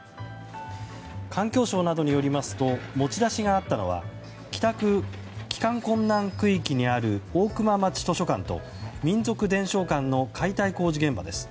環境省などによりますと持ち出しがあったのは帰還困難区域にある大熊町図書館と民俗伝承館の解体工事現場です。